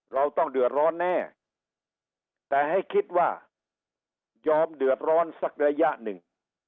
เราต้องเดือดร้อนแน่แต่ให้คิดว่ายอมเดือดร้อนสักระยะหนึ่ง